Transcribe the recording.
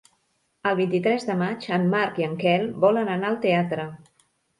El vint-i-tres de maig en Marc i en Quel volen anar al teatre.